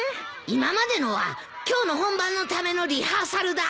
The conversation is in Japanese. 今までのは今日の本番のためのリハーサルだ。